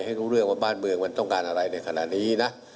ให้รู้เรื่องว่าบ้านเมืองมันต้องการอะไรในขณะนี้นะ